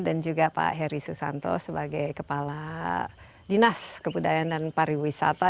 dan juga pak heri susanto sebagai kepala dinas kebudayaan dan pariwisata